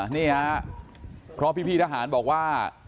นี่ฮะเพราะพี่ทหารบอกว่า